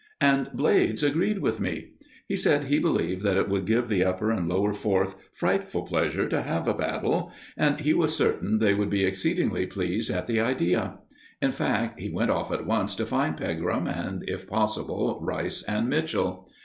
And Blades agreed with me. He said he believed that it would give the Upper and Lower Fourth frightful pleasure to have a battle, and he was certain they would be exceedingly pleased at the idea. In fact, he went off at once to find Pegram and, if possible, Rice and Mitchell.